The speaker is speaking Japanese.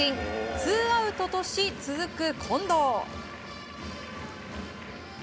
ツーアウトとし、続く近藤。